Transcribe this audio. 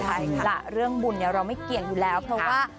ใช่ค่ะเรื่องบุญเราไม่เกี่ยงอยู่แล้วเพราะว่า